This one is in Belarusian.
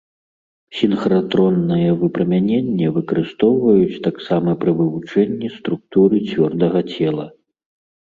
Сінхратроннае выпрамяненне выкарыстоўваюць таксама пры вывучэнні структуры цвёрдага цела.